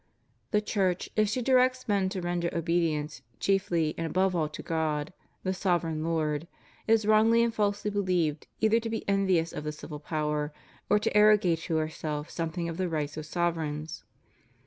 The Church, if she directs men to render obedience chiefly and above all to God the sovereign Lord, is wrongly and falsely beheved either to be envious of the civil power or to arrogate to herself something of the rights of sovereigns.